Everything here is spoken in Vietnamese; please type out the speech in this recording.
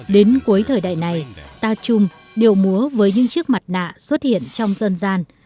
đến cuối thời đại này ta chung điệu múa với những chiếc mặt nạ xuất hiện trong dân gian